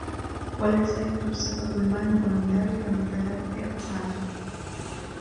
وَلَيْسَ يَخْلُو السَّبَبُ الْمَانِعُ مِنْ ذَلِكَ مِنْ ثَلَاثَةِ أَقْسَامٍ